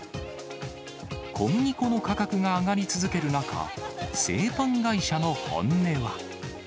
小麦粉の価格が上がり続ける中、製パン会社の本音は。